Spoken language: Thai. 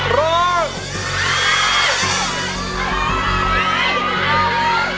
ร้อง